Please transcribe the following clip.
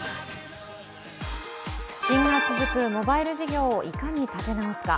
不振が続くモバイル事業をいかに立て直すか。